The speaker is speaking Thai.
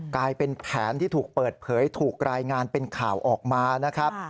กลายเป็นแผนที่ถูกเปิดเผยถูกรายงานเป็นข่าวออกมานะครับ